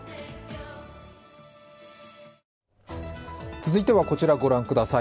続いてはこちらご覧ください。